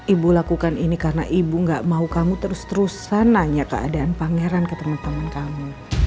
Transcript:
ibu lakukan ini karena ibu gak mau kamu terus terusan nanya keadaan pangeran ke teman teman kamu